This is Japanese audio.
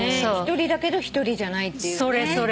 １人だけど１人じゃないっていう。